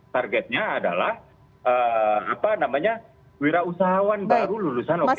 targetnya adalah apa namanya wirausahawan baru lulusan okoc